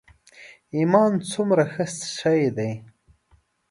ایمان څومره ښه شی دی.